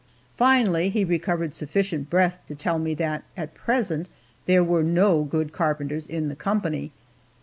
Finally, he recovered sufficient breath to tell me that at present, there were no good carpenters in the company.